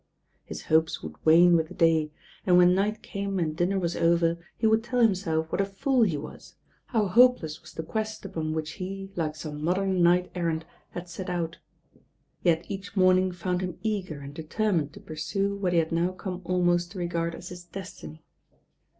His hopes would wane with the day, and when night came and dinner was over, he would tell him« self what a fool he was, how hopeless was the quest upon which he, like some modern knight errant, had set out; yet each morning found him eager and determined to pursue what he had now come 'almost to regard as his destiny.